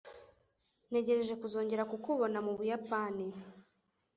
Ntegereje kuzongera kukubona mu Buyapani.